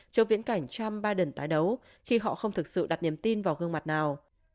trước viễn cảnh trump biden tái đấu khi họ không thực sự đặt niềm tin vào gương mặt nào